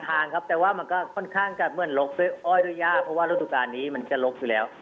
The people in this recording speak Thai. ทางครับแต่ว่ามันก็ค่อนข้างจะเหมือนลกด้วยอ้อยด้วยยากเพราะว่าฤดูการนี้มันจะลกอยู่แล้ว